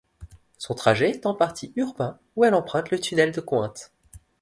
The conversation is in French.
Son trajet est en partie urbain, où elle emprunte le tunnel de Cointe.